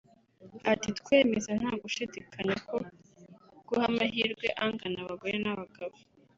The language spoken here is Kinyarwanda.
Ati “Twemeza nta gushidikanya ko guha amahirwe angana abagore n’abagabo